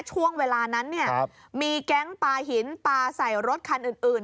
ช่วงเวลานั้นมีแก๊งปลาหินปลาใส่รถคันอื่น